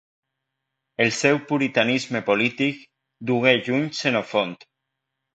El seu puritanisme polític, dugué lluny Xenofont